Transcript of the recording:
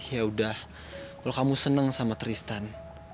yaudah kalau kamu senang sama tristan